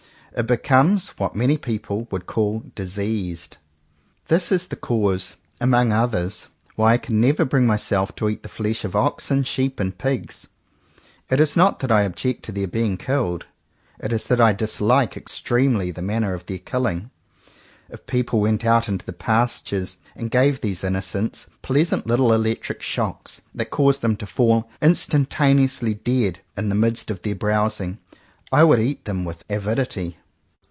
It becomes what many persons would call "diseased." This is the cause, among others, why I can never bring myself to eat the flesh of oxen, sheep, and pigs. It is not that I object to their being killed. It is that I dislike extremely the manner of their killing. If people went out into the pastures and gave these innocents pleasant little electric shocks that caused them to fall instantane ously dead in the midst of their browsing, I would eat them with avidity.